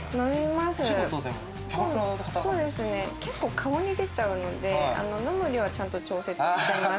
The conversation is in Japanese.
結構顔に出ちゃうので飲む量はちゃんと調節しています。